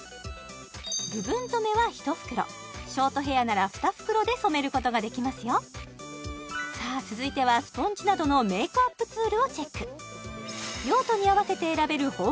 部分染めは１袋ショートヘアなら２袋で染めることができますよさあ続いてはスポンジなどのメイクアップツールをチェック用途に合わせて選べる豊富なバリエーションで